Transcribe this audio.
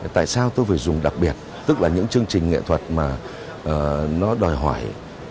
tại sao tôi phải dùng đặc biệt tức là những chương trình nghệ thuật mà nó đòi hỏi